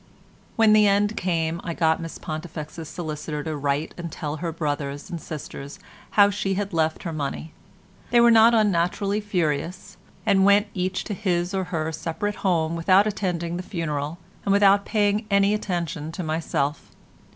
When the end came, I got Miss Pontifex's solicitor to write and tell her brothers and sisters how she had left her money: they were not unnaturally furious, and went each to his or her separate home without attending the funeral, and without paying any attention to myself.